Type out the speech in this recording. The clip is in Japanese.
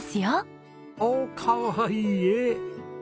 おっかわいい絵。